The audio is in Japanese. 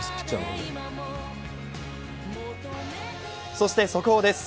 そして速報です。